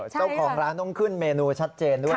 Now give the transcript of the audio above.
เจ้าของร้านต้องขึ้นเมนูชัดเจนด้วย